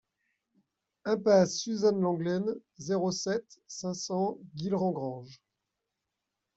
Impasse Suzanne Lenglen, zéro sept, cinq cents Guilherand-Granges